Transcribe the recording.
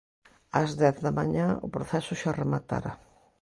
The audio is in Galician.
Ás dez da mañá o proceso xa rematara.